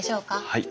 はい。